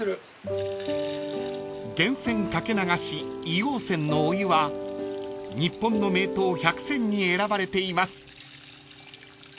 ［源泉掛け流し硫黄泉のお湯は日本の名湯百選に選ばれています］